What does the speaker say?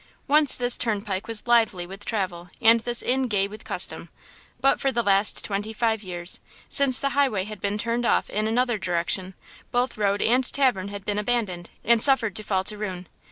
Once this turnpike was lively with travel and this inn gay with custom; but for the last twenty five years, since the highway had been turned off in another direction, both road and tavern had been abandoned, and suffered to fall to ruin.